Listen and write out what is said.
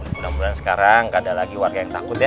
mudah mudahan sekarang nggak ada lagi warga yang takut ya